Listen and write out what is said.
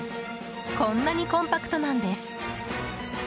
こんなにコンパクトなんです。